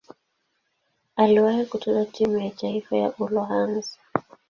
Aliwahi kucheza timu ya taifa ya Uholanzi.